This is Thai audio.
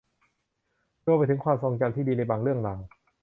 รวมไปถึงความทรงจำที่ดีในบางเรื่องราว